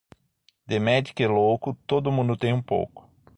De médico e louco, todo mundo tem um pouco